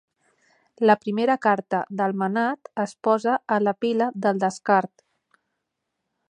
La primera carta del manat es posa a la pila del descart.